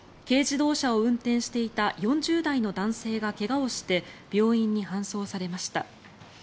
軽自動車を運転していた４０代の男性が怪我をして病院に搬送されました。